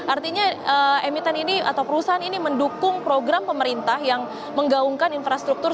artinya emiten ini atau perusahaan ini mendukung program pemerintah yang menggaungkan infrastruktur